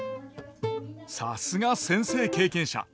さすが先生経験者。